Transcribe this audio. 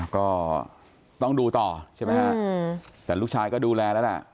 ก็ต้องดูต่อแต่ลูกชายก็ดูแลแล้ว